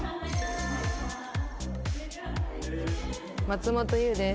松本優です。